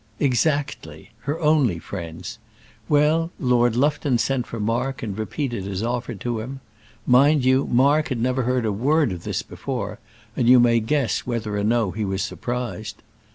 "Exactly; her only friends. Well, Lord Lufton sent for Mark and repeated his offer to him. Mind you, Mark had never heard a word of this before, and you may guess whether or no he was surprised.